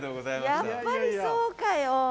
やっぱりそうかよ。